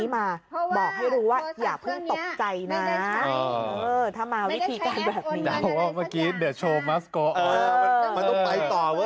ไม่ได้ตัดใช้